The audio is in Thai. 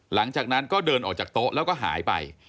หลังจากนั้นก็เดินออกจากโต๊ะแล้วก็หายไป